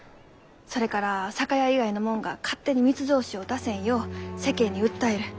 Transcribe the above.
それから酒屋以外の者が勝手に密造酒を出せんよう世間に訴える。